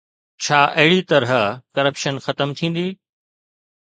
ڇا اهڙي طرح ڪرپشن ختم ٿيندي؟